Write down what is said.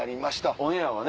オンエアはね。